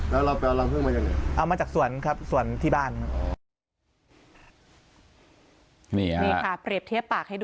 แล้วเราไปเอารังพึ่งมาจากไหน